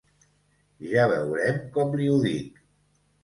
Ja veurem com li ho dic.